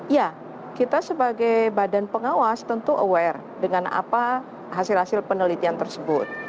ya kita sebagai badan pengawas tentu aware dengan apa hasil hasil penelitian tersebut